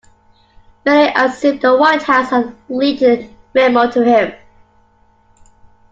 Many assumed the White House had leaked the memo to him.